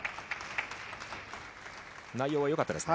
内容はよかったですね。